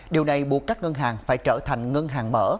điều này buộc các ngân hàng phải trở thành ngân hàng mở